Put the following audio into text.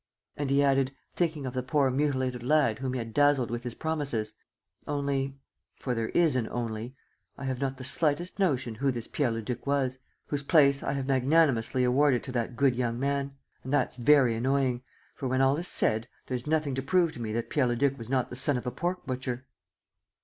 And he added, thinking of the poor mutilated lad whom he had dazzled with his promises, "Only for there is an 'only' I have not the slightest notion who this Pierre Leduc was, whose place I have magnanimously awarded to that good young man. And that's very annoying. ... For when all is said, there's nothing to prove to me that Pierre Leduc was not the son of a pork butcher!